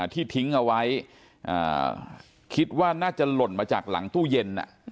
ที่ทิ้งเอาไว้คิดว่าน่าจะหล่นมาจากหลังตู้เย็น